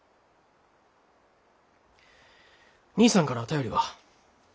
兄さんから便りは？